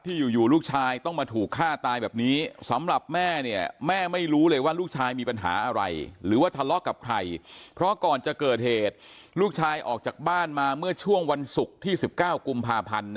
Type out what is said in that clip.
ที่อยู่อยู่ลูกชายต้องมาถูกฆ่าตายแบบนี้สำหรับแม่เนี่ย